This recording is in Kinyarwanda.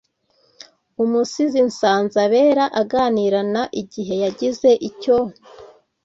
umusizi nsanzabera aganira na igihe yagize icyo